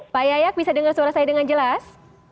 pak yayak bisa dengar suara saya dengan jelas